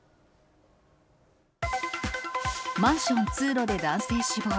マンション通路で男性死亡。